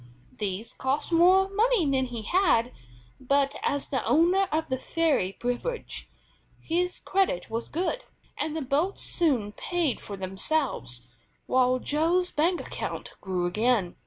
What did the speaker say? These cost more money than he had, but, as the owner of the ferry privilege, his credit was good, and the boats soon paid for themselves, while Joe's bank account grew again.